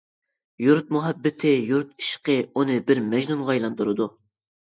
يۇرت مۇھەببىتى، يۇرت ئىشقى ئۇنى بىر مەجنۇنغا ئايلاندۇرىدۇ.